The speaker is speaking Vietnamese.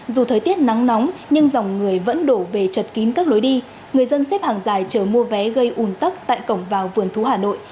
dù thời tiết nắng nóng nhưng dòng người vẫn đổ về chật kín các lối đi người dân xếp hàng dài chờ mua vé gây ùn tắc tại cổng vào vườn thú hà nội